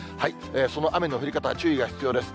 その雨の降り方、注意が必要です。